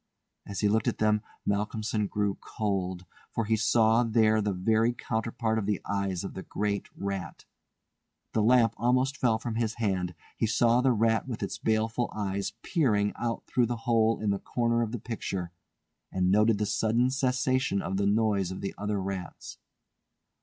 As he looked at them, Malcolmson grew cold, for he saw there the very counterpart of the eyes of the great rat. The lamp almost fell from his hand, he saw the rat with its baleful eyes peering out through the hole in the corner of the picture, and noted the sudden cessation of the noise of the other rats.